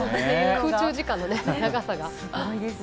空中時間の長さが。